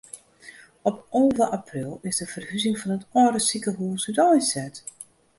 Op alve april is de ferhuzing fan it âlde sikehús úteinset.